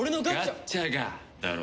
「ガッチャが」だろ？